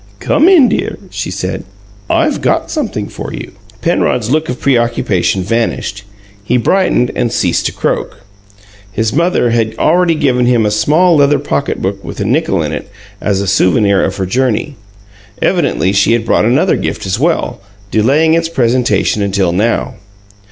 "Come in, dear," she said; "I've got something for you." Penrod's look of preoccupation vanished; he brightened and ceased to croak. His mother had already given him a small leather pocketbook with a nickel in it, as a souvenir of her journey. Evidently she had brought another gift as well, delaying its presentation until now.